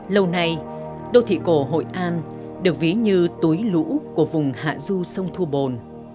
lâu nay đô thị cổ hội an được ví như túi lũ của vùng hạ du sông thu bồn